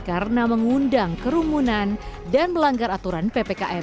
karena mengundang kerumunan dan melanggar aturan ppkm